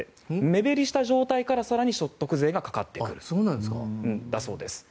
目減りした状態から更に所得税がかかってくるんだそうです。